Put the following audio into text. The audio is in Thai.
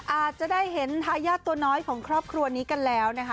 อาจจะได้เห็นทายาทตัวน้อยของครอบครัวนี้กันแล้วนะคะ